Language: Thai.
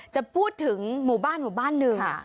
จะพูดถึงหมู่บ้านหมู่บ้านหนึ่ง